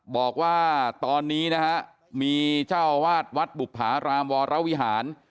บอกว่าตอนนี้นะฮะมีเจ้าวาดวัดบุภารามวรวิหาร